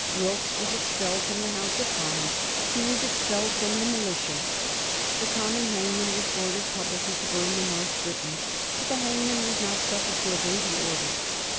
Wilkes was expelled from the House of Commons. He was expelled from the Militia. The common hangman was ordered publicly to burn the North Briton, but the hangman was not suffered to obey the order.